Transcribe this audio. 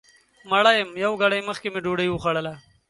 مړه یم یو ګړی مخکې مې ډوډۍ وخوړله